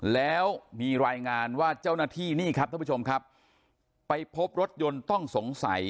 แล้วมีรายงานว่าเจ้าหน้าที่นี่ครับท่านผู้ชมครับไปพบรถยนต์ต้องสงสัย